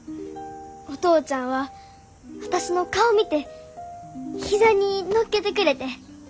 お父ちゃんは私の顔見て膝に乗っけてくれて。